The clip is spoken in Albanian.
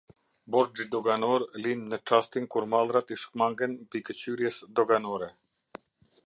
Borxhi doganor lind në çastin kur mallrat i shmangen mbikëqyrjes doganore.